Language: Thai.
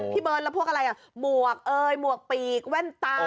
พี่เบิร์ดแล้วพวกอะไรหมวกหมวกปีกแว่นตา